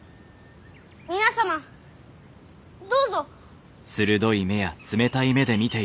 皆様どうぞ。